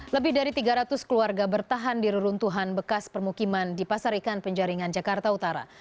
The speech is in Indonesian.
lebih dari tiga ratus keluarga bertahan di reruntuhan bekas permukiman di pasar ikan penjaringan jakarta utara